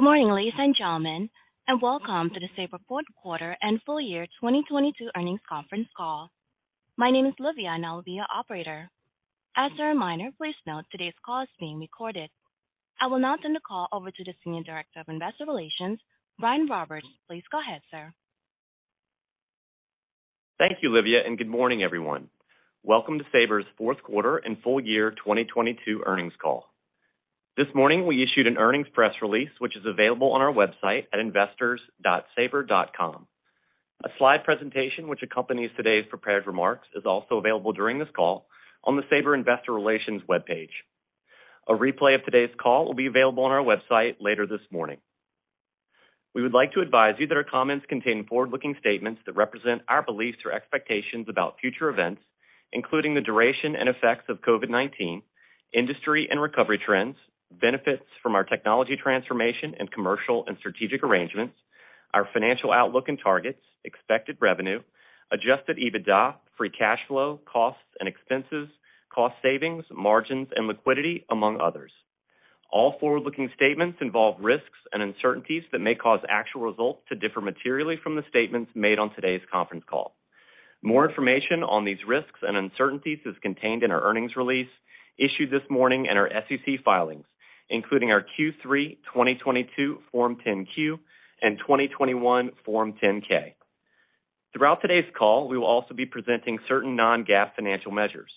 Good morning, ladies and gentlemen, and welcome to the Sabre fourth 1/4 and full year 2022 earnings conference call. My name is Olivia, and I will be your operator. As a reminder, please note today's call is being recorded. I will now turn the call over to the Senior Director of Investor Relations, Brian Roberts. Please go ahead, sir. Thank you, Olivia, and good morning, everyone. Welcome to Sabre's fourth 1/4 and full year 2022 earnings call. This morning, we issued an earnings press release, which is available on our website at investors.sabre.com. A Slide presentation which accompanies today's prepared remarks is also available during this call on the Sabre Investor Relations webpage. A replay of today's call will be available on our website later this morning. We would like to advise you that our comments contain Forward-Looking statements that represent our beliefs or expectations about future events, including the duration and effects of COVID-19, industry and recovery trends, benefits from our technology transformation and commercial and strategic arrangements, our financial outlook and targets, expected revenue, Adjusted EBITDA, Free Cash Flow, costs and expenses, cost savings, margins, and liquidity, among others. All forward-looking statements involve risks and uncertainties that may cause actual results to differ materially from the statements made on today's conference call. More information on these risks and uncertainties is contained in our earnings release issued this morning and our SEC filings, including our Q3 2022 Form 10-Q and 2021 Form 10-K. Throughout today's call, we will also be presenting certain non-GAAP financial measures.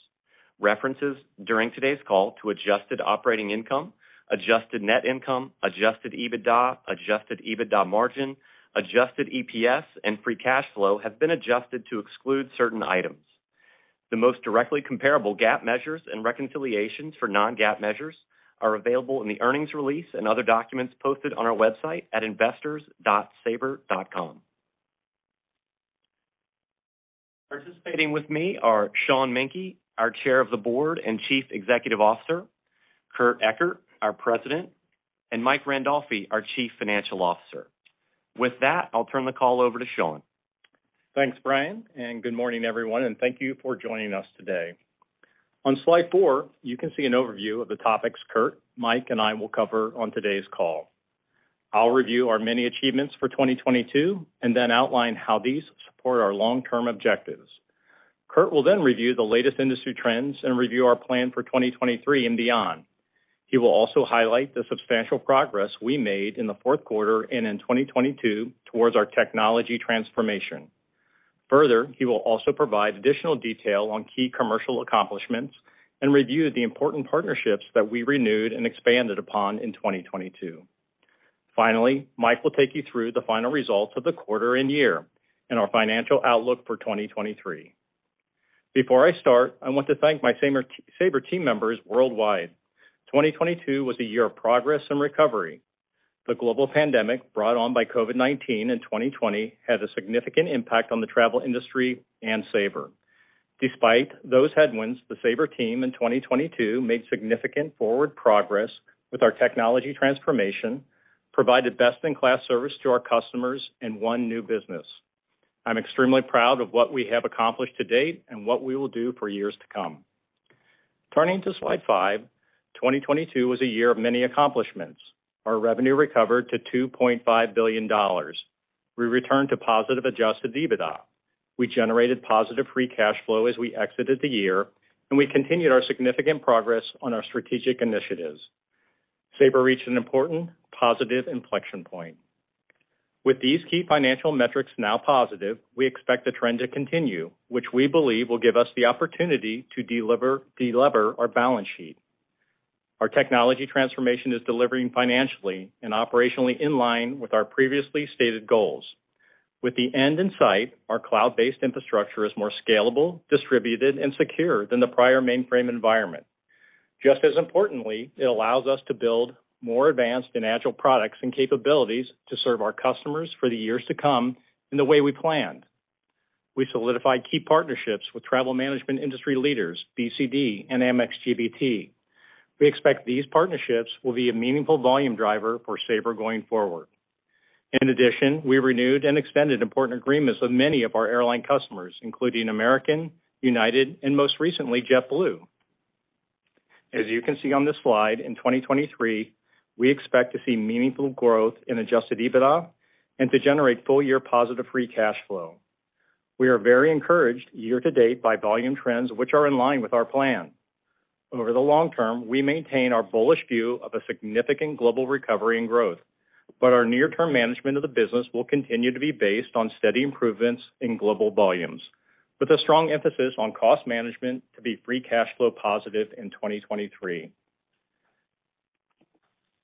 References during today's call to Adjusted operating income, Adjusted net income, Adjusted EBITDA, Adjusted EBITDA margin, Adjusted EPS, and Free Cash Flow have been Adjusted to exclude certain items. The most directly comparable GAAP measures and reconciliations for Non-GAAP measures are available in the earnings release and other documents posted on our website at investors.sabre.com. Participating with me are Sean Menke, our Chair of the Board and Chief Executive Officer, Kurt Ekert, our President, and Mike Randolfi, our Chief Financial Officer. With that, I'll turn the call over to Sean. Thanks, Brian. Good morning, everyone, and thank you for joining us today. On Slide 4, you can see an overview of the topics Kurt, Mike, and I will cover on today's call. I'll review our many achievements for 2022 and then outline how these support our Long-Term objectives. Kurt will review the latest industry trends and review our plan for 2023 and beyond. He will also highlight the substantial progress we made in the fourth 1/4 and in 2022 towards our technology transformation. He will also provide additional detail on key commercial accomplishments and review the important partnerships that we renewed and expanded upon in 2022. Mike will take you through the final results of the 1/4 and year and our financial outlook for 2023. Before I start, I want to thank my Sabre team members worldwide. 2022 was a year of progress and recovery. The global pandemic brought on by COVID-19 in 2020 had a significant impact on the travel industry and Sabre. Despite those headwinds, the Sabre team in 2022 made significant forward progress with our technology transformation, provided Best-In-Class service to our customers, and won new business. I'm extremely proud of what we have accomplished to date and what we will do for years to come. Turning to Slide 5, 2022 was a year of many accomplishments. Our revenue recovered to $2.5 billion. We returned to positive Adjusted EBITDA. We generated positive Free Cash Flow as we exited the year, and we continued our significant progress on our strategic initiatives. Sabre reached an important positive inflection point. With these key financial metrics now positive, we expect the trend to continue, which we believe will give us the opportunity to delever our balance sheet. Our technology transformation is delivering financially and operationally in line with our previously stated goals. With the end in sight, our cloud-based infrastructure is more scalable, distributed, and secure than the prior mainframe environment. Just as importantly, it allows us to build more advanced and agile products and capabilities to serve our customers for the years to come in the way we planned. We solidified key partnerships with travel management industry leaders BCD and Amex GBT. We expect these partnerships will be a meaningful volume driver for Sabre going forward. We renewed and expanded important agreements with many of our airline customers, including American, United, and most recently, JetBlue. As you can see on this Slide, in 2023, we expect to see meaningful growth in Adjusted EBITDA and to generate full year positive Free Cash Flow. We are very encouraged year to date by volume trends which are in line with our plan. Our Near-Term management of the business will continue to be based on steady improvements in global volumes, with a strong emphasis on cost management to be Free Cash Flow positive in 2023.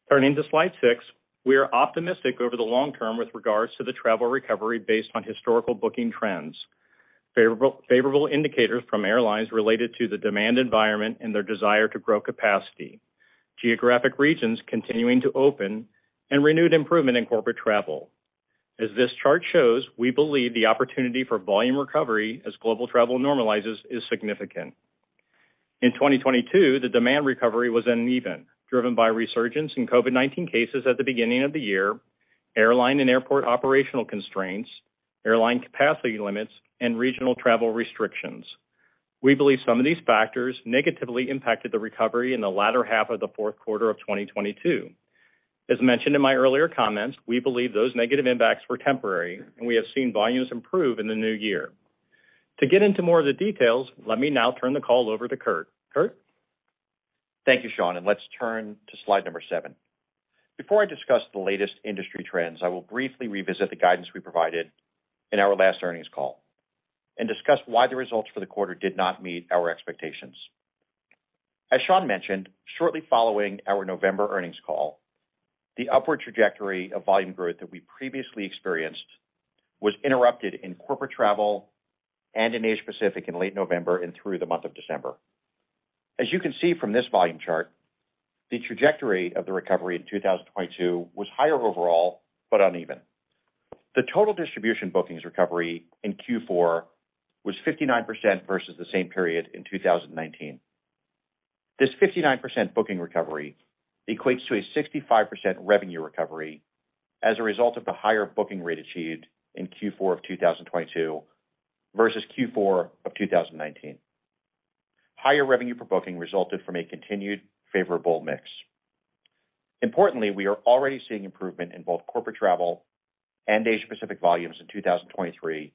Turning to Slide 6, we are optimistic over the long term with regards to the travel recovery based on historical booking trends, favorable indicators from airlines related to the demand environment and their desire to grow capacity, geographic regions continuing to open, and renewed improvement in corporate travel. As this chart shows, we believe the opportunity for volume recovery as global travel normalizes is significant. In 2022, the demand recovery was uneven, driven by resurgence in COVID-19 cases at the beginning of the year, airline and airport operational constraints, airline capacity limits, and regional travel restrictions. We believe some of these factors negatively impacted the recovery in the latter 1/2 of the fourth 1/4 of 2022. As mentioned in my earlier comments, we believe those negative impacts were temporary. We have seen volumes improve in the new year. To get into more of the details, let me now turn the call over to Kurt. Kurt? Thank you, Sean, and let's turn to Slide number 7. Before I discuss the latest industry trends, I will briefly revisit the guidance we provided in our last earnings call and discuss why the results for the 1/4 did not meet our expectations. As Sean mentioned, shortly following our November earnings call, the upward trajectory of volume growth that we previously experienced was interrupted in corporate travel and in Asia-Pacific in late November and through the month of December. As you can see from this volume chart, the trajectory of the recovery in 2022 was higher overall, but uneven. The total distribution bookings recovery in Q4 was 59% versus the same period in 2019. This 59% booking recovery equates to a 65% revenue recovery as a result of the higher booking rate achieved in Q4 2022 versus Q4 2019. Higher revenue per booking resulted from a continued favorable mix. Importantly, we are already seeing improvement in both corporate travel and Asia Pacific volumes in 2023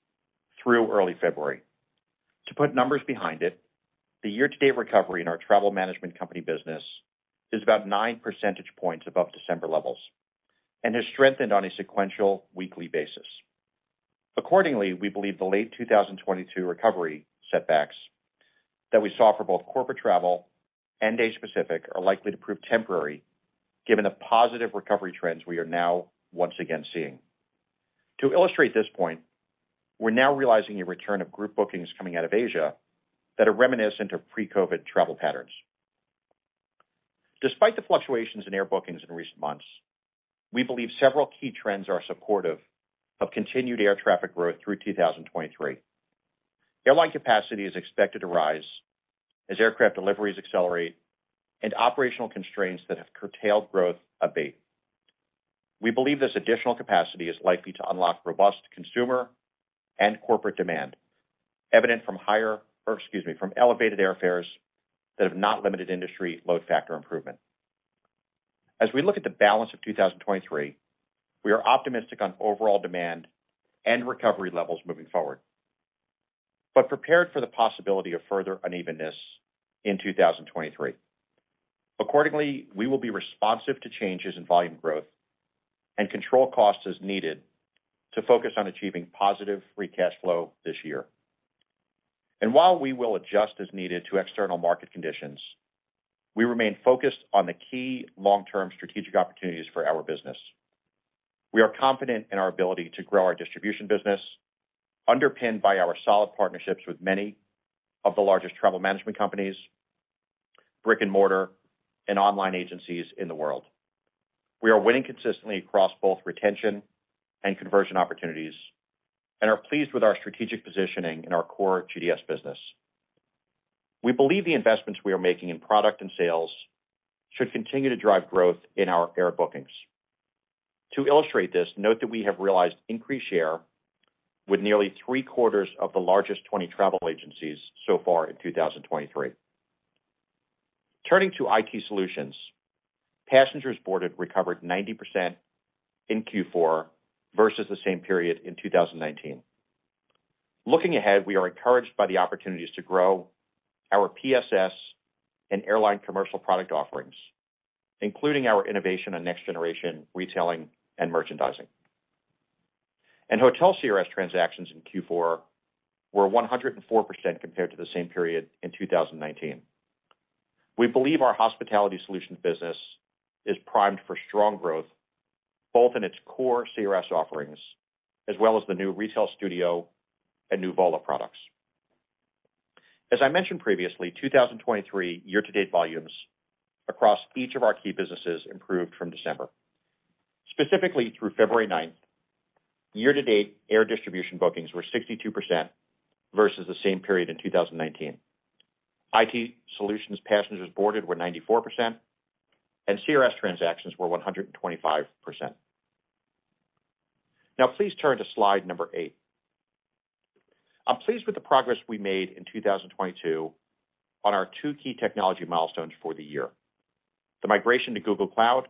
through early February. To put numbers behind it, the year-to-date recovery in our travel management company business is about 9 percentage points above December levels and has strengthened on a sequential weekly basis. We believe the late 2022 recovery setbacks that we saw for both corporate travel and Asia Pacific are likely to prove temporary given the positive recovery trends we are now once again seeing. To illustrate this point, we're now realizing a return of group bookings coming out of Asia that are reminiscent of pre-COVID travel patterns. Despite the fluctuations in air bookings in recent months, we believe several key trends are supportive of continued air traffic growth through 2023. Airline capacity is expected to rise as aircraft deliveries accelerate and operational constraints that have curtailed growth abate. We believe this additional capacity is likely to unlock robust consumer and corporate demand, evident from elevated airfares that have not limited industry load factor improvement. As we look at the balance of 2023, we are optimistic on overall demand and recovery levels moving forward, but prepared for the possibility of further unevenness in 2023. Accordingly, we will be responsive to changes in volume growth and control costs as needed to focus on achieving positive Free Cash Flow this year. While we will adjust as needed to external market conditions, we remain focused on the key long-term strategic opportunities for our business. We are confident in our ability to grow our distribution business, underpinned by our solid partnerships with many of the largest travel management companies, Brick-And-Mortar, and online agencies in the world. We are winning consistently across both retention and conversion opportunities and are pleased with our strategic positioning in our core GDS business. We believe the investments we are making in product and sales should continue to drive growth in our air bookings. To illustrate this, note that we have realized increased share with nearly 3/4 of the largest 20 travel agencies so far in 2023. Turning to IT Solutions, Passengers Boarded recovered 90% in Q4 versus the same period in 2019. Looking ahead, we are encouraged by the opportunities to grow our PSS and airline commercial product offerings, including our innovation on next-generation retailing and merchandising. Hotel CRS transactions in Q4 were 104% compared to the same period in 2019. We believe our hospitality solutions business is primed for strong growth, both in its core CRS offerings as well as the new Retail Studio and Nuvola products. As I mentioned previously, 2023 year-to-date volumes across each of our key businesses improved from December. Specifically, through February 9th, year-to-date air distribution bookings were 62% versus the same period in 2019. IT Solutions Passengers Boarded were 94%, and CRS transactions were 125%. Now please turn to Slide number eight. I'm pleased with the progress we made in 2022 on our 2 key technology milestones for the year: the migration to Google Cloud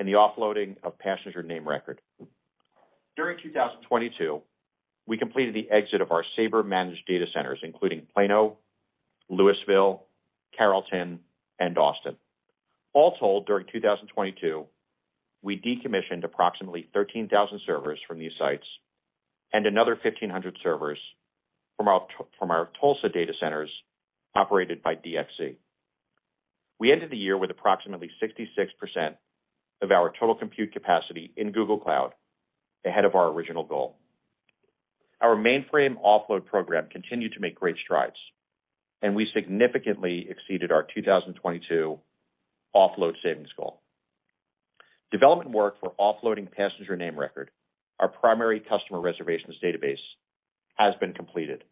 and the offloading of passenger name record. During 2022, we completed the exit of our Sabre-Managed data centers, including Plano, Louisville, Carrollton, and Austin. All told, during 2022, we decommissioned approximately 13,000 servers from these sites and another 1,500 servers from our Tulsa data centers operated by DXC. We ended the year with approximately 66% of our total compute capacity in Google Cloud ahead of our original goal. Our mainframe offload program continued to make great strides, and we significantly exceeded our 2022 offload savings goal. Development work for offloading passenger name record, our primary customer reservations database, has been completed,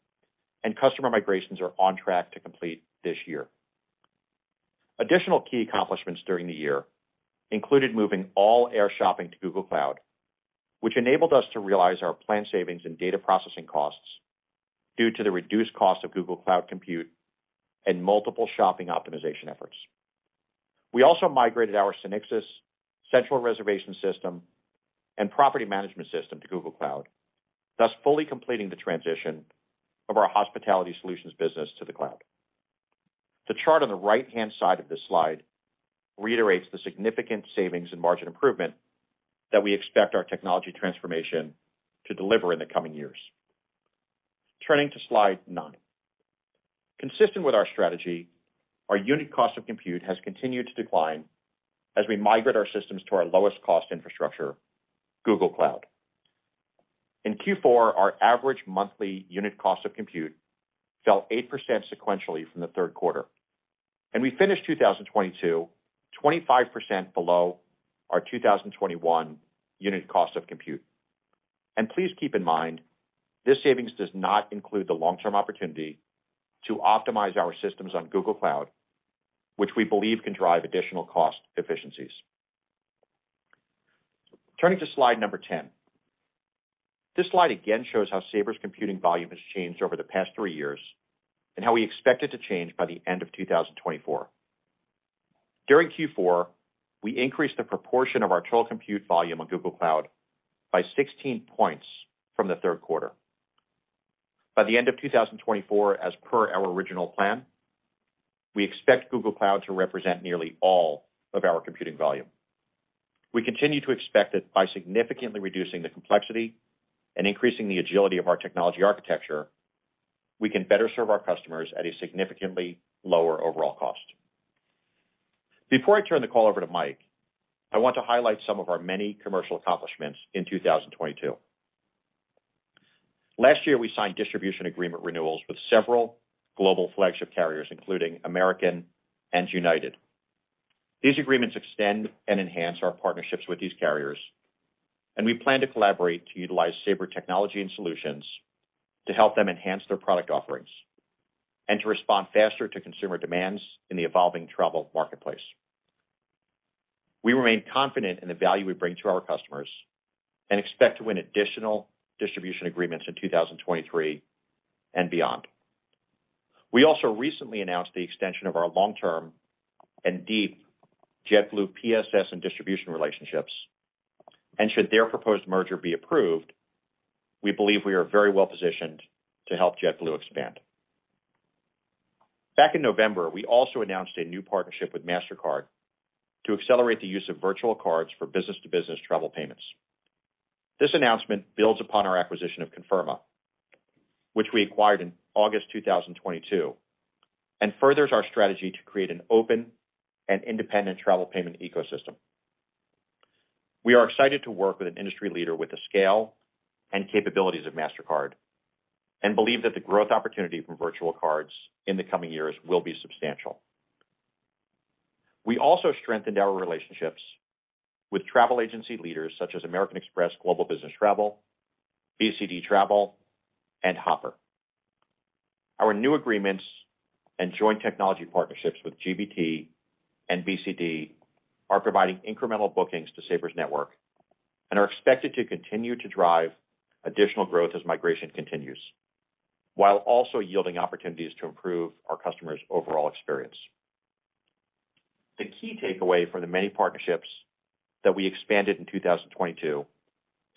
and customer migrations are on track to complete this year. Additional key accomplishments during the year included moving all air shopping to Google Cloud, which enabled us to realize our planned savings and data processing costs due to the reduced cost of Google Cloud Compute and multiple shopping optimization efforts. We also migrated our SynXis central reservation system and property management system to Google Cloud, thus fully completing the transition of our hospitality solutions business to the cloud. The chart on the right-hand side of this Slide reiterates the significant savings and margin improvement that we expect our technology transformation to deliver in the coming years. Turning to Slide 9. Consistent with our strategy, our unit cost of compute has continued to decline as we migrate our systems to our lowest cost infrastructure, Google Cloud. In Q4, our average monthly unit cost of compute fell 8% sequentially from the third 1/4. We finished 2022, 25% below our 2021 unit cost of compute. Please keep in mind, this savings does not include the long-term opportunity to optimize our systems on Google Cloud, which we believe can drive additional cost efficiencies. Turning to Slide number 10. This Slide again shows how Sabre's computing volume has changed over the past 3 years and how we expect it to change by the end of 2024. During Q4, we increased the proportion of our total compute volume on Google Cloud by 16 points from the third 1/4. By the end of 2024, as per our original plan, we expect Google Cloud to represent nearly all of our computing volume. We continue to expect that by significantly reducing the complexity and increasing the agility of our technology architecture, we can better serve our customers at a significantly lower overall cost. Before I turn the call over to Mike, I want to highlight some of our many commercial accomplishments in 2022. Last year, we signed distribution agreement renewals with several global flagship carriers, including American and United. These agreements extend and enhance our partnerships with these carriers, and we plan to collaborate to utilize Sabre technology and solutions to help them enhance their product offerings and to respond faster to consumer demands in the evolving travel marketplace. We remain confident in the value we bring to our customers and expect to win additional distribution agreements in 2023 and beyond. We also recently announced the extension of our long-term and deep JetBlue PSS and distribution relationships. Should their proposed merger be approved, we believe we are very well-positioned to help JetBlue expand. Back in November, we also announced a new partnership with Mastercard to accelerate the use of virtual cards for business-to-business travel payments. This announcement builds upon our acquisition of Conferma, which we acquired in August 2022, and furthers our strategy to create an open and independent travel payment ecosystem. We are excited to work with an industry leader with the scale and capabilities of Mastercard, and believe that the growth opportunity from virtual cards in the coming years will be substantial. We also strengthened our relationships with travel agency leaders such as American Express Global Business Travel, BCD Travel, and Hopper. Our new agreements and joint technology partnerships with GBT and BCD are providing incremental bookings to Sabre's networkrk and are expected to continue to drive additional growth as migration continues, while also yielding opportunities to improve our customers' overall experience. The key takeaway from the many partnerships that we expanded in 2022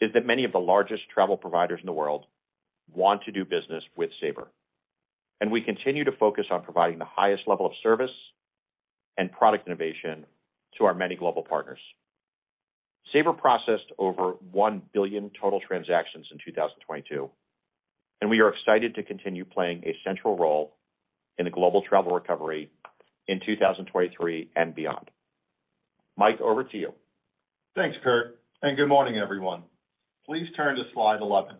is that many of the largest travel providers in the world want to do business with Sabre, and we continue to focus on providing the highest level of service and product innovation to our many global partners. Sabre processed over 1 billion total transactions in 2022, and we are excited to continue playing a central role in the global travel recovery in 2023 and beyond. Mike, over to you. Thanks, Kurt. Good morning, everyone. Please turn to Slide 11.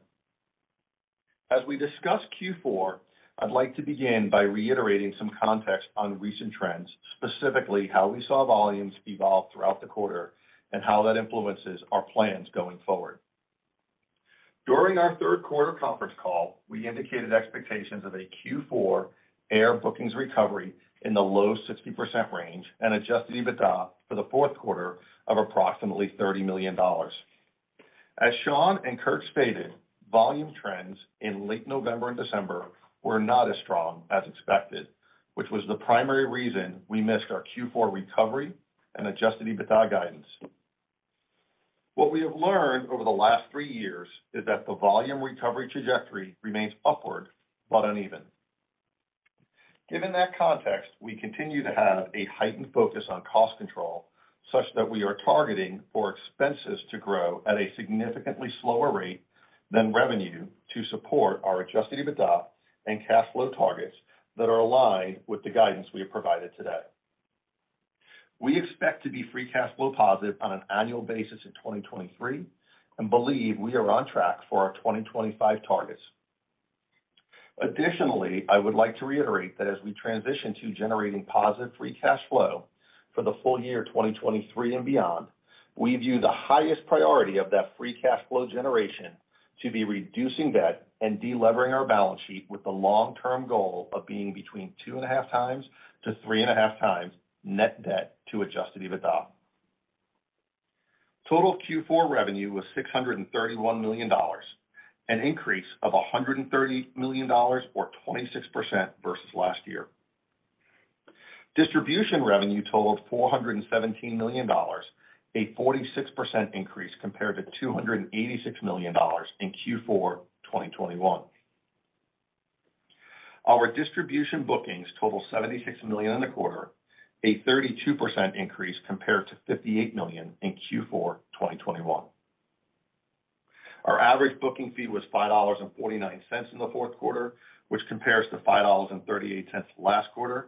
As we discuss Q4, I'd like to begin by reiterating some context on recent trends, specifically how we saw volumes evolve throughout the 1/4 and how that influences our plans going forward. During our third 1/4 conference call, we indicated expectations of a Q4 air bookings recovery in the low 60% range and Adjusted EBITDA for the fourth 1/4 of approximately $30 million. As Sean and Kurt stated, volume trends in late November and December were not as strong as expected, which was the primary reason we missed our Q4 recovery and Adjusted EBITDA guidance. What we have learned over the last 3 years is that the volume recovery trajectory remains upward but uneven. Given that context, we continue to have a heightened focus on cost control such that we are targeting for expenses to grow at a significantly slower rate than revenue to support our Adjusted EBITDA and cash flow targets that are aligned with the guidance we have provided today. We expect to be Free Cash Flow positive on an annual basis in 2023 and believe we are on track for our 2025 targets. Additionally, I would like to reiterate that as we transition to generating positive Free Cash Flow for the full year 2023 and beyond, we view the highest priority of that Free Cash Flow generation to be reducing debt and De-Levering our balance sheet with the long-term goal of being between 2.5 times to 3.5 times net debt to Adjusted EBITDA. Total Q4 revenue was $631 million, an increase of $130 million or 26% versus last year. Distribution revenue totaled $417 million, a 46% increase compared to $286 million in Q4 2021. Our distribution bookings totaled 76 million in the 1/4, a 32% increase compared to 58 million in Q4 2021. Our average booking fee was $5.49 in the fourth 1/4, which compares to $5.38 last 1/4,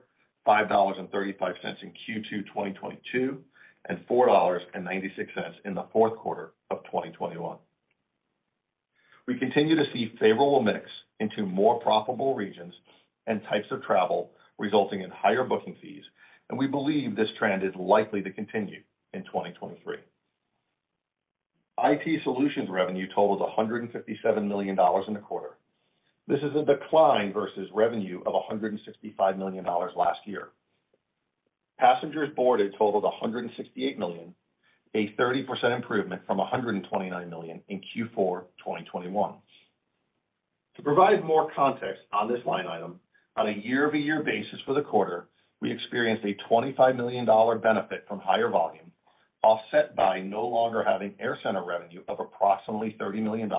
$5.35 in Q2 2022, and $4.96 in the fourth 1/4 of 2021. We continue to see favorable mix into more profitable regions and types of travel, resulting in higher booking fees, and we believe this trend is likely to continue in 2023. IT solutions revenue totaled $157 million in the 1/4. This is a decline versus revenue of $165 million last year. Passengers Boarded totaled 168 million, a 30% improvement from 129 million in Q4 2021. To provide more context on this line item, on a Year-Over-Year basis for the 1/4, we experienced a $25 million benefit from higher volume, offset by no longer having AirCentre revenue of approximately $30 million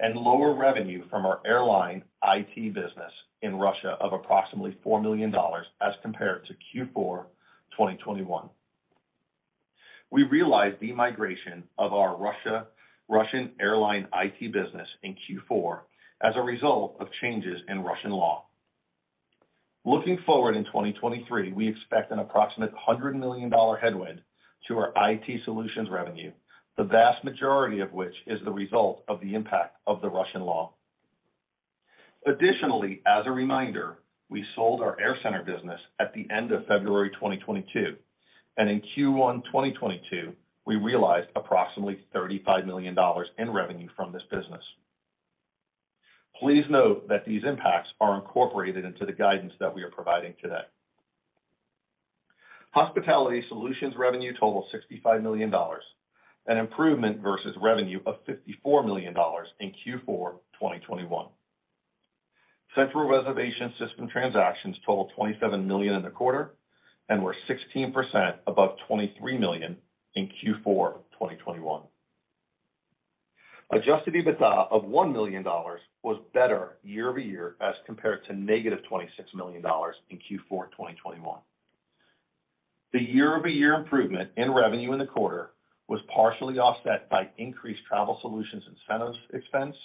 and lower revenue from our airline IT business in Russia of approximately $4 million as compared to Q4 2021. We realized the migration of our Russian airline IT business in Q4 as a result of changes in Russian law. Looking forward in 2023, we expect an approximate $100 million headwind to our IT Solutions revenue, the vast majority of which is the result of the impact of the Russian law. As a reminder, we sold our AirCentre business at the end of February 2022, and in Q1 2022, we realized approximately $35 million in revenue from this business. Please note that these impacts are incorporated into the guidance that we are providing today. Hospitality Solutions revenue totaled $65 million, an improvement versus revenue of $54 million in Q4 2021. central reservation system transactions totaled 27 million in the 1/4 and were 16% above 23 million in Q4 2021. Adjusted EBITDA of $1 million was better year-over-year as compared to negative $26 million in Q4 2021. The year-over-year improvement in revenue in the 1/4 was partially offset by increased travel solutions incentive expense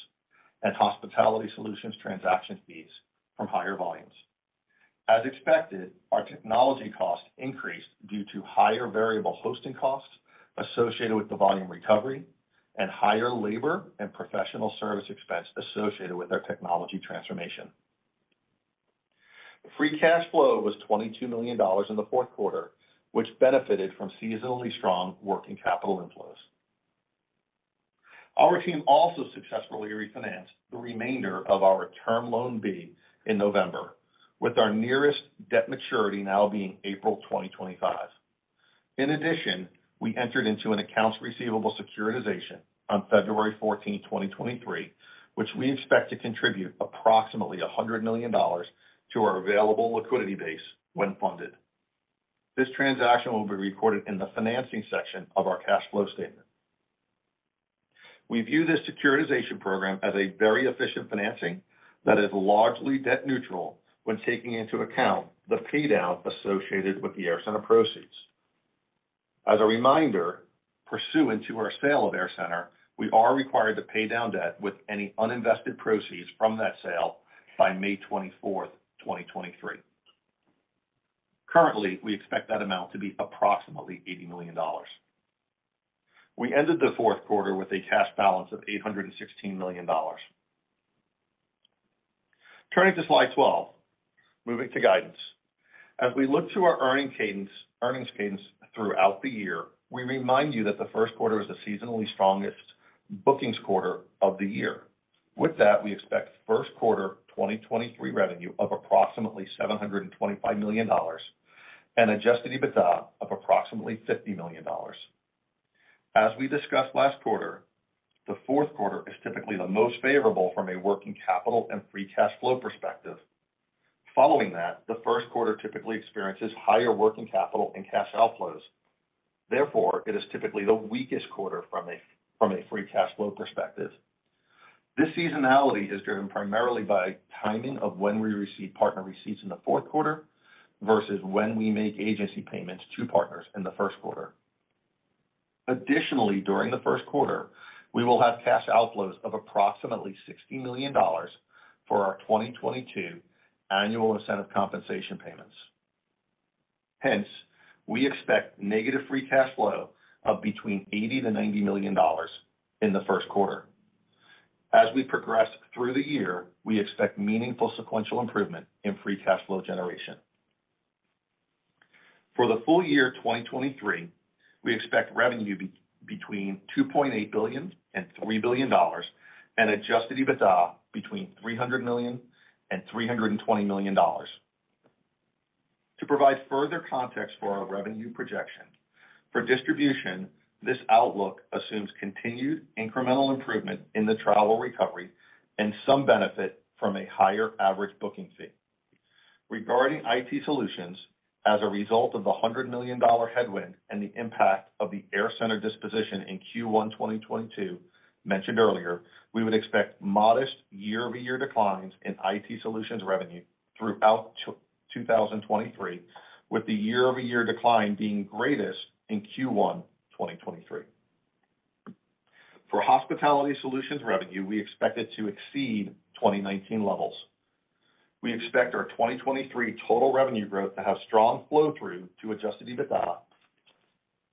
and hospitality solutions transaction fees from higher volumes. As expected, our technology costs increased due to higher variable hosting costs associated with the volume recovery and higher labor and professional service expense associated with our technology transformation. Free Cash Flow was $22 million in the fourth 1/4, which benefited from seasonally strong working capital inflows. Our team also successfully refinanced the remainder of our Term Loan B in November, with our nearest debt maturity now being April 2025. We entered into an accounts receivable securitization on February 14, 2023, which we expect to contribute approximately $100 million to our available liquidity base when funded. This transaction will be recorded in the financing section of our cash flow statement. We view this securitization program as a very efficient financing that is largely debt neutral when taking into account the pay down associated with the AirCentre proceeds. As a reminder, pursuant to our sale of AirCentre, we are required to pay down debt with any uninvested proceeds from that sale by May 24th, 2023. Currently, we expect that amount to be approximately $80 million. We ended the fourth 1/4 with a cash balance of $816 million. Turning to Slide 12, moving to guidance. As we look to our earnings cadence throughout the year, we remind you that the first 1/4 is the seasonally strongest bookings 1/4 of the year. With that, we expect first 1/4 2023 revenue of approximately $725 million and Adjusted EBITDA of approximately $50 million. As we discussed last 1/4, the fourth 1/4 is typically the most favorable from a working capital and Free Cash Flow perspective. Following that, the first 1/4 typically experiences higher working capital and cash outflows. Therefore, it is typically the weakest 1/4 from a Free Cash Flow perspective. This seasonality is driven primarily by timing of when we receive partner receipts in the fourth 1/4 versus when we make agency payments to partners in the first 1/4. Additionally, during the first 1/4, we will have cash outflows of approximately $60 million for our 2022 annual incentive compensation payments. Hence, we expect negative Free Cash Flow of between $80 million-$90 million in the first 1/4. As we progress through the year, we expect meaningful sequential improvement in Free Cash Flow generation. For the full year 2023, we expect revenue between $2.8 billion and $3 billion and Adjusted EBITDA between $300 million and $320 million. To provide further context for our revenue projection, for distribution, this outlook assumes continued incremental improvement in the travel recovery and some benefit from a higher average booking fee. Regarding IT Solutions, as a result of the $100 million headwind and the impact of the AirCentre disposition in Q1 2022 mentioned earlier, we would expect modest year-over-year declines in IT Solutions revenue throughout 2023, with the Year-Over-Year decline being greatest in Q1 2023. For Hospitality Solutions revenue, we expect it to exceed 2019 levels. We expect our 2023 total revenue growth to have strong flow-through to Adjusted EBITDA,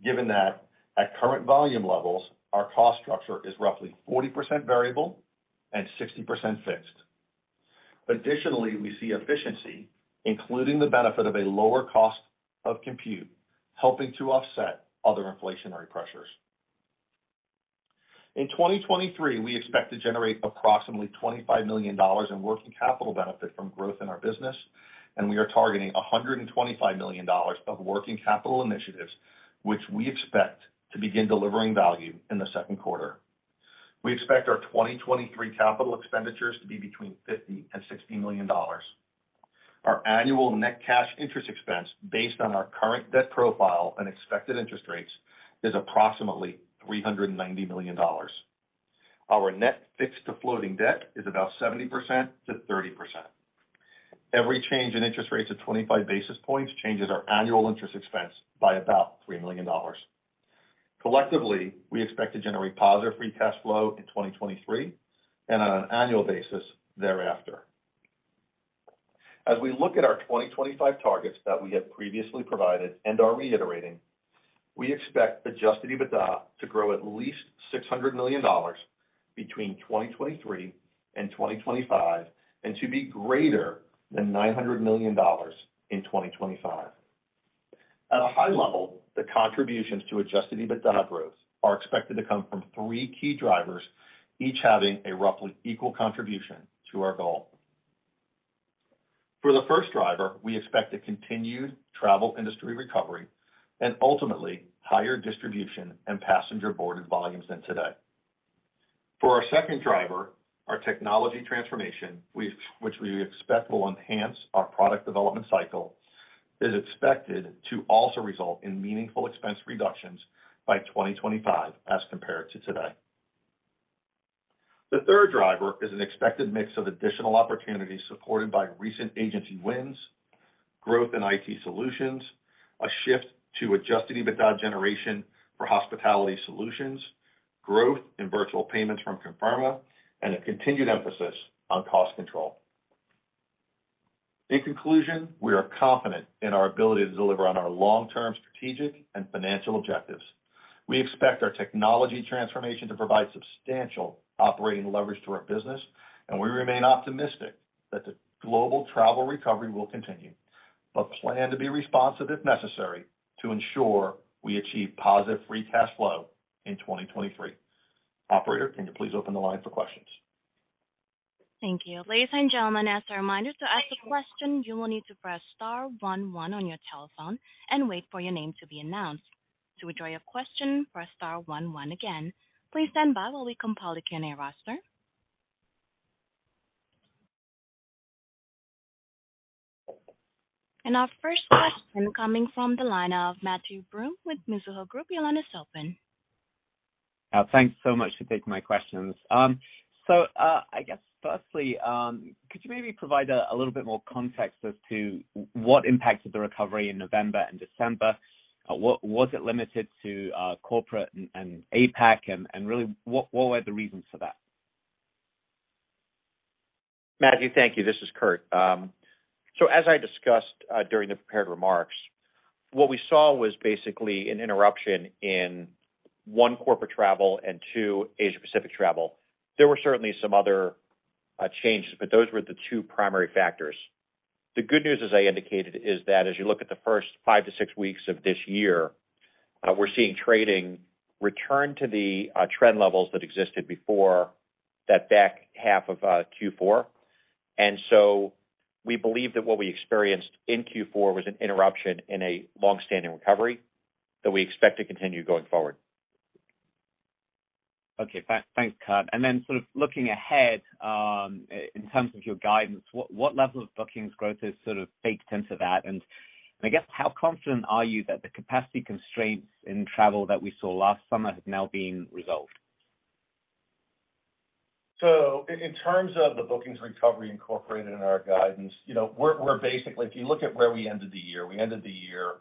given that at current volume levels, our cost structure is roughly 40% variable and 60% fixed. Additionally, we see efficiency, including the benefit of a lower cost of compute, helping to offset other inflationary pressures. In 2023, we expect to generate approximately $25 million in working capital benefit from growth in our business. We are targeting $125 million of working capital initiatives, which we expect to begin delivering value in the second 1/4. We expect our 2023 capital expenditures to be between $50 million and $60 million. Our annual net cash interest expense, based on our current debt profile and expected interest rates, is approximately $390 million. Our net fixed to floating debt is about 70% to 30%. Every change in interest rates of 25 basis points changes our annual interest expense by about $3 million. Collectively, we expect to generate positive Free Cash Flow in 2023 and on an annual basis thereafter. As we look at our 2025 targets that we have previously provided and are reiterating, we expect Adjusted EBITDA to grow at least $600 million between 2023 and 2025 and to be greater than $900 million in 2025. At a high level, the contributions to Adjusted EBITDA growth are expected to come from 3 key drivers, each having a roughly equal contribution to our goal. For the first driver, we expect a continued travel industry recovery and ultimately higher distribution and Passengers Boarded volumes than today. For our second driver, our technology transformation, which we expect will enhance our product development cycle, is expected to also result in meaningful expense reductions by 2025 as compared to today. The third driver is an expected mix of additional opportunities supported by recent agency wins, growth in IT solutions, a shift to Adjusted EBITDA generation for hospitality solutions, growth in virtual payments from Conferma, and a continued emphasis on cost control. In conclusion, we are confident in our ability to deliver on our Long-Term strategic and financial objectives. We expect our technology transformation to provide substantial operating leverage to our business, and we remain optimistic that the global travel recovery will continue, but plan to be responsive if necessary to ensure we achieve positive Free Cash Flow in 2023. Operator, can you please open the line for questions? Thank you. Ladies and gentlemen, as a reminder, to ask a question, you will need to press star one one on your telephone and wait for your name to be announced. To withdraw your question, press star one one again. Please stand by while we compile the Q&A roster. Our first question coming from the line of Matthew Broome with Mizuho Group. Your line is open. Thanks so much for taking my questions. I guess firstly, could you maybe provide a little bit more context as to what impacted the recovery in November and December? Was it limited to corporate and APAC? And really what were the reasons for that? Matthew, thank you. This is Kurt. As I discussed during the prepared remarks, what we saw was basically an interruption in, 1, corporate travel, and 2, Asia-Pacific travel. There were certainly some other changes, but those were the 2 primary factors. The good news, as I indicated, is that as you look at the first 5 to 6 weeks of this year, we're seeing trading return to the trend levels that existed before that back 1/2 of Q4. We believe that what we experienced in Q4 was an interruption in a long-standing recovery that we expect to continue going forward. Okay. Thanks, Kurt. Then sort of looking ahead, in terms of your guidance, what level of bookings growth is sort of baked into that? And I guess how confident are you that the capacity constraints in travel that we saw last summer have now been resolved? In terms of the bookings recovery incorporated in our guidance, you know, we're basically if you look at where we ended the year, we ended the year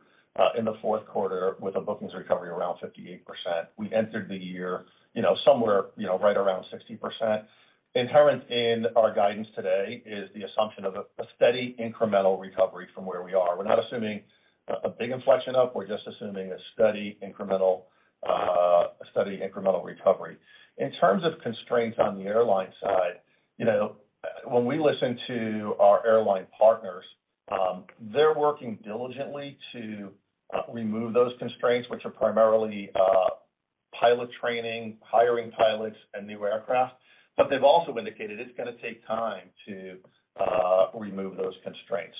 in the fourth 1/4 with a bookings recovery around 58%. We entered the year, you know, somewhere, you know, right around 60%. Inherent in our guidance today is the assumption of a steady incremental recovery from where we are. We're not assuming a big inflection up, we're just assuming a steady incremental recovery. In terms of constraints on the airline side, you know, when we listen to our airline partners, they're working diligently to remove those constraints, which are primarily pilot training, hiring pilots, and new aircraft. They've also indicated it's gonna take time to remove those constraints.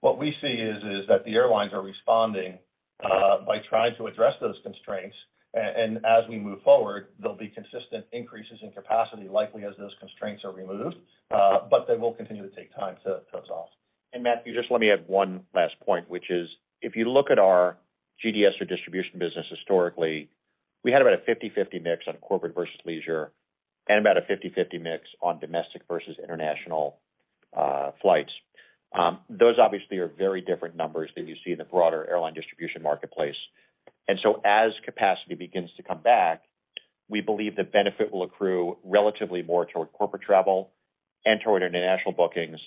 What we see is that the airlines are responding by trying to address those constraints. As we move forward, there'll be consistent increases in capacity, likely as those constraints are removed, but they will continue to take time to resolve. Matt, if you just let me add one last point, which is, if you look at our GDS or distribution business historically, we had about a 50/50 mix on corporate versus leisure, and about a 50/50 mix on domestic versus international flights. Those obviously are very different numbers than you see in the broader airline distribution marketplace. As capacity begins to come back, we believe the benefit will accrue relatively more toward corporate travel and toward international bookings,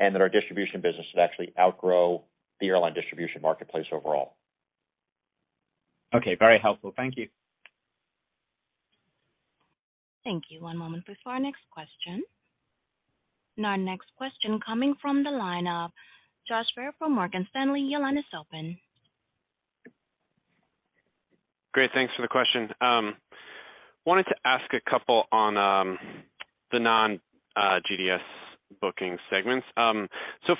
and that our distribution business should actually outgrow the airline distribution marketplace overall. Okay, very helpful. Thank you. Thank you. One moment please for our next question. Our next question coming from the line of Josh Baer from Morgan Stanley. Your line is open. Great, thanks for the question. Wanted to ask a couple on the Non-GDS booking segments.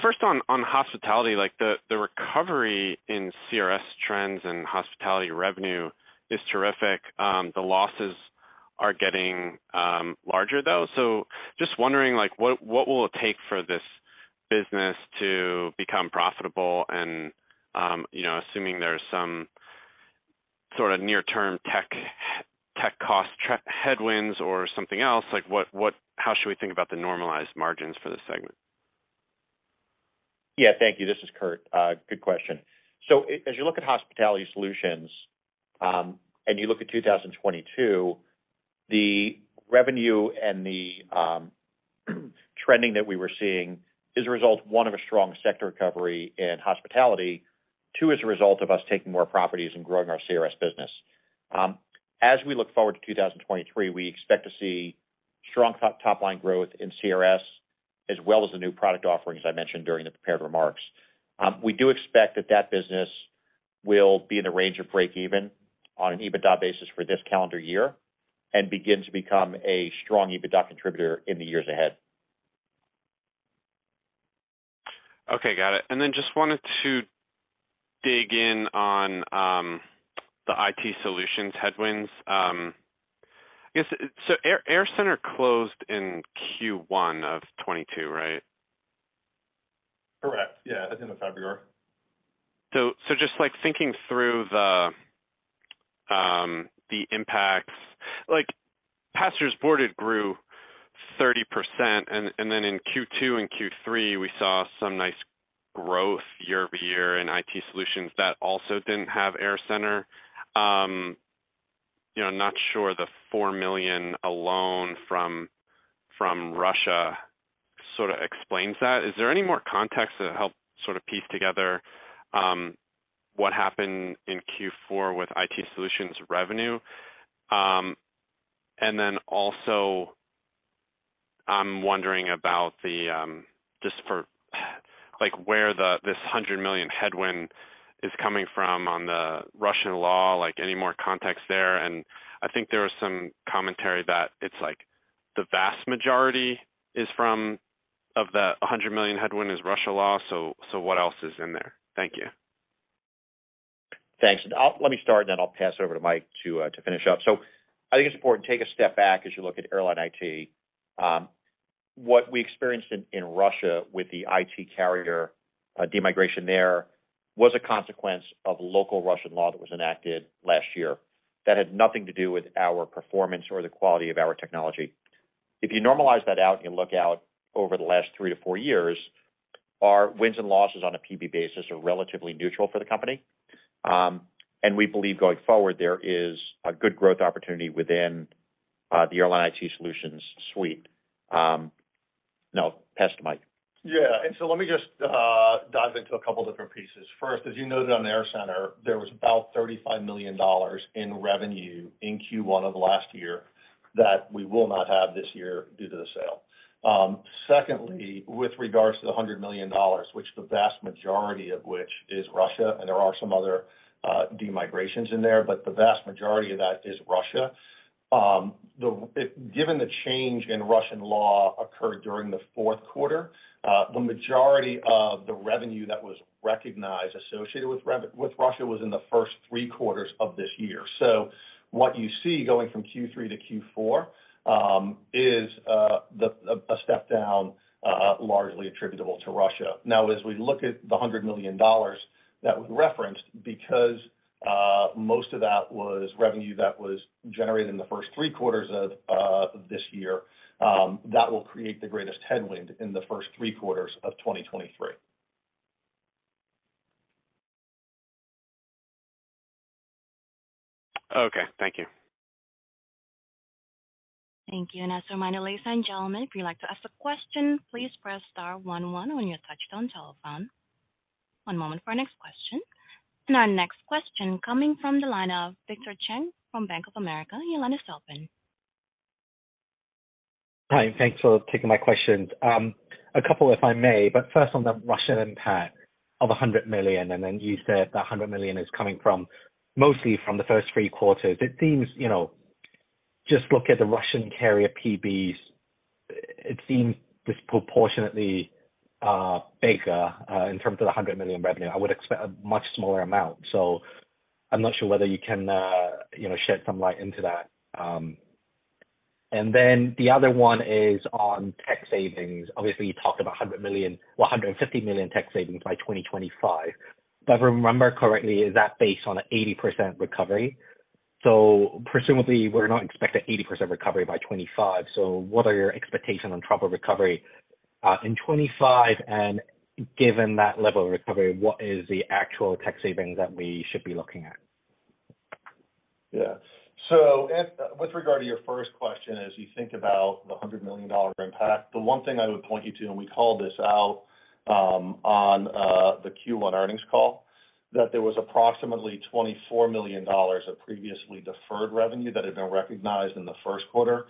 First on hospitality, like, the recovery in CRS trends and hospitality revenue is terrific. The losses are getting larger though. Just wondering, like, what will it take for this business to become profitable? You know, assuming there's some sort of Near-Term tech cost headwinds or something else, like how should we think about the normalized margins for this segment? Yeah, thank you. This is Kurt. Good question. As you look at Hospitality Solutions, and you look at 2022, the revenue and the trending that we were seeing is a result, one, of a strong sector recovery in hospitality, 2, as a result of us taking more properties and growing our CRS business. As we look forward to 2023, we expect to see strong top line growth in CRS, as well as the new product offerings I mentioned during the prepared remarks. We do expect that that business will be in the range of break even on an EBITDA basis for this calendar year and begin to become a strong EBITDA contributor in the years ahead. Okay, got it. Just wanted to dig in on the IT solutions headwinds. I guess, AirCentre closed in Q1 of 2022, right? Correct. Yeah, at the end of February. Just like thinking through the impacts, like Passengers Boarded grew 30% then in Q2 and Q3, we saw some nice growth year over year in IT Solutions that also didn't have AirCentre. You know, not sure the $4 million alone from Russia sort of explains that. Is there any more context to help sort of piece together what happened in Q4 with IT Solutions revenue? Then also I'm wondering about where this $100 million headwind is coming from on the Russian law, like any more context there? I think there was some commentary that it's like the vast majority of the $100 million headwind is Russia law, what else is in there? Thank you. Thanks. Let me start, and then I'll pass it over to Mike to finish up. I think it's important to take a step back as you look at airline IT. What we experienced in Russia with the IT carrier, demigration there was a consequence of local Russian law that was enacted last year that had nothing to do with our performance or the quality of our technology. If you normalize that out and you look out over the last 3 to four years, our wins and losses on a PB basis are relatively neutral for the company. We believe going forward, there is a good growth opportunity within the airline IT solutions suite. Now pass to Mike. Yeah. Let me just dive into a couple different pieces. First, as you noted on AirCentre, there was about $35 million in revenue in Q1 of last year that we will not have this year due to the sale. Secondly, with regards to the $100 million, which the vast majority of which is Russia, and there are some other, demigrations in there, but the vast majority of that is Russia. Given the change in Russian law occurred during the fourth 1/4, the majority of the revenue that was recognized associated with Russia was in the first 3 quarters of this year. What you see going from Q3 to Q4, is a step down, largely attributable to Russia. As we look at the $100 million that we referenced, because most of that was revenue that was generated in the first 3 quarters of this year, that will create the greatest headwind in the first 3 1/4s of 2023. Okay, thank you. Thank you. As a reminder, ladies and gentlemen, if you'd like to ask a question, please press star one one on your touchtone telephone. One moment for our next question. Our next question coming from the line of Victor Cheng from Bank of America. Your line is open. Hi, thanks for taking my questions. A couple if I may. First on the Russian impact of $100 million, and then you said that $100 million is coming from, mostly from the first 3 quarters. It seems, you know, just look at the Russian carrier PB, it seems disproportionately bigger in terms of the $100 million revenue. I would expect a much smaller amount, I am not sure whether you can, you know, shed some light into that. The other one is on tech savings. Obviously, you talked about $100 million, well, $150 million tech savings by 2025. If I remember correctly, is that based on 80% recovery? Presumably, we're not expecting 80% recovery by 2025. What are your expectations on travel recovery in 2025? Given that level of recovery, what is the actual tech savings that we should be looking at? With regard to your first question, as you think about the $100 million impact, the one thing I would point you to, and we called this out on the Q1 earnings call, that there was approximately $24 million of previously deferred revenue that had been recognized in the first 1/4.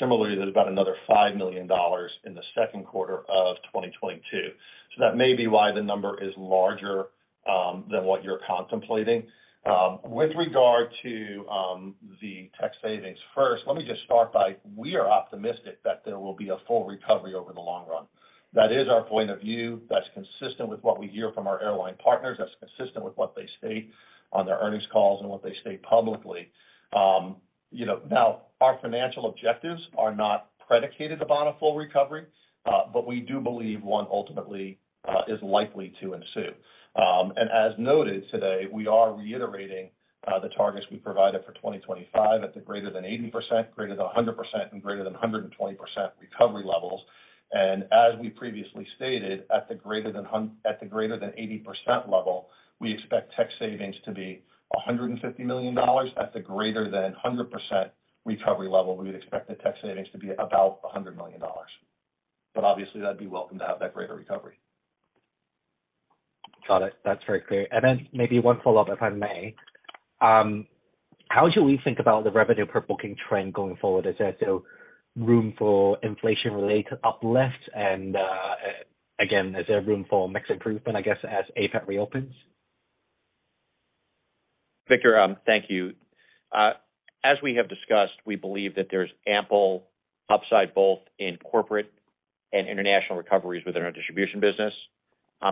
Similarly, there's about another $5 million in the second 1/4 of 2022. That may be why the number is larger than what you're contemplating. With regard to the tech savings, first, let me just start by we are optimistic that there will be a full recovery over the long run. That is our point of view. That's consistent with what we hear from our airline partners. That's consistent with what they state on their earnings calls and what they state publicly. You know, now our financial objectives are not predicated upon a full recovery, but we do believe one ultimately is likely to ensue. As noted today, we are reiterating the targets we provided for 2025 at the greater than 80%, greater than 100%, and greater than 120% recovery levels. As we previously stated, at the greater than 80% level, we expect tech savings to be $150 million. At the greater than 100% recovery level, we would expect the tech savings to be about $100 million. Obviously, that'd be welcome to have that greater recovery. Got it. That's very clear. Then maybe one Follow-Up, if I may. How should we think about the revenue per booking trend going forward? Is there still room for inflation-related uplift? Again, is there room for mix improvement, I guess, as APAC reopens? Victor, thank you. As we have discussed, we believe that there's ample upside both in corporate and international recoveries within our distribution business.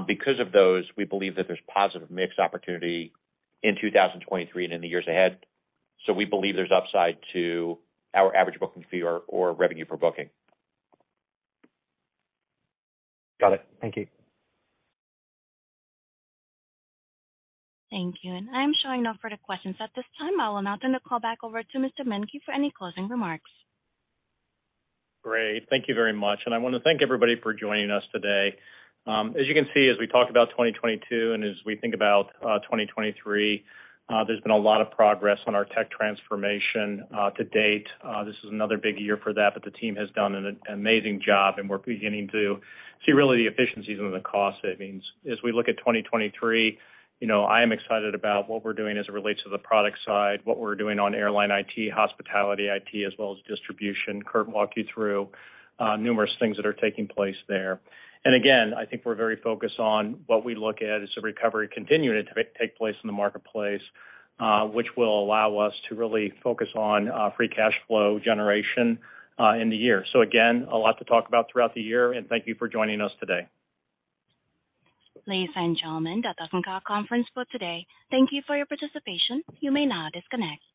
Because of those, we believe that there's positive mix opportunity in 2023 and in the years ahead. We believe there's upside to our average booking fee or revenue per booking. Got it. Thank you. Thank you. I'm showing no further questions at this time. I will now turn the call back over to Mr. Menke for any closing remarks. Great. Thank you very much. I wanna thank everybody for joining us today. As you can see, as we talk about 2022 and as we think about 2023, there's been a lot of progress on our tech transformation to date. This is another big year for that, but the team has done an amazing job, and we're beginning to see really the efficiencies and the cost savings. As we look at 2023, you know, I am excited about what we're doing as it relates to the product side, what we're doing on airline IT, hospitality IT, as well as distribution. Kurt walked you through numerous things that are taking place there. Again, I think we're very focused on what we look at as the recovery continuing to take place in the marketplace, which will allow us to really focus on Free Cash Flow generation in the year. Again, a lot to talk about throughout the year, and thank you for joining us today. Ladies and gentlemen, that does end our conference for today. Thank you for your participation. You may now disconnect.